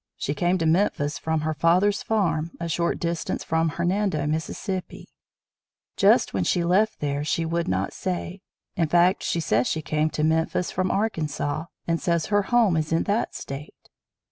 She came to Memphis from her fathers farm, a short distance from Hernando, Miss. Just when she left there she would not say. In fact she says she came to Memphis from Arkansas, and says her home is in that State.